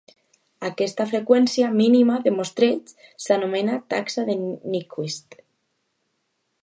Aquesta freqüència mínima de mostreig s'anomena taxa de Nyquist.